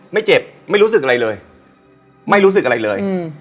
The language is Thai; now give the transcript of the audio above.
ไม่เจ็บไม่รู้สึกอะไรเลยไม่รู้สึกอะไรเลย